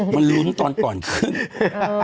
มันลุ้นตอนก่อนขึ้น